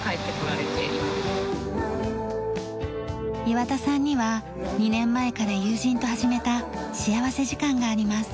岩田さんには２年前から友人と始めた幸福時間があります。